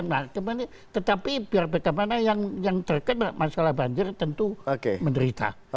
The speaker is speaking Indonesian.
nah tetapi yang terkena masalah banjir tentu menderita